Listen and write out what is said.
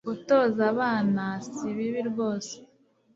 gutoza abana si bibi rwose